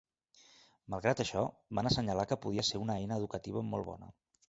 Malgrat això, van assenyalar que podia ser una eina educativa molt bona.